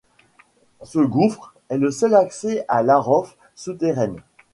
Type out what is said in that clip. Ce gouffre est le seul accès à l'Aroffe souterraine.